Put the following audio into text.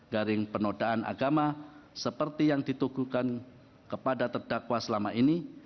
garing penodaan agama seperti yang ditugukan kepada terdakwa selama ini